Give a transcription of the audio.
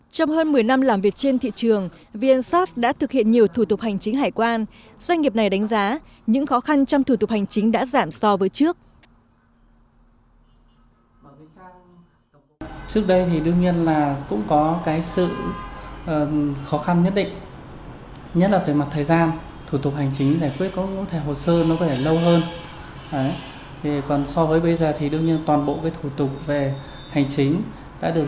trong hơn một mươi năm làm việc trên thị trường vnsaf đã thực hiện nhiều thủ tục hành chính hải quan doanh nghiệp này đánh giá những khó khăn trong thủ tục hành chính đã giảm so với trước